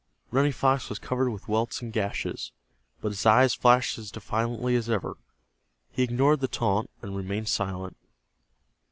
Running Fox was covered with welts and gashes, but his eyes flashed as defiantly as ever. He ignored the taunt, and remained silent.